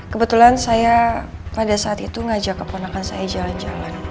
kebetulan saya pada saat itu ngajak keponakan saya jalan jalan